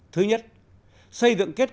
thứ nhất xây dựng kết thúc